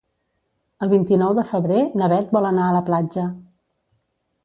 El vint-i-nou de febrer na Beth vol anar a la platja.